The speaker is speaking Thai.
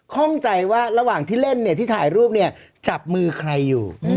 ค่องใจว่าระหว่างที่เล่นที่ถ่ายรูปจับมือใครอยู่